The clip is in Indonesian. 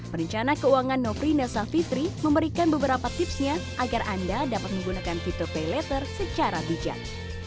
perencana keuangan nofri nessa fitri memberikan beberapa tipsnya agar anda dapat menggunakan fitur pay later secara bijak